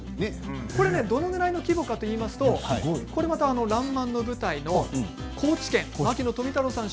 どのくらいの規模かといいますとこれまた「らんまん」の舞台の高知県牧野富太郎さん